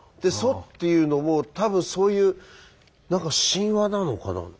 蘇っていうのも多分そういう何か神話なのかな？